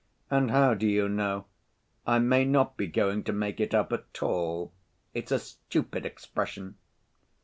And how do you know? I may not be going to make it up at all. It's a stupid expression."